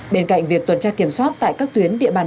bên cạnh việc tuần tra kiểm soát tại các tuyến địa bàn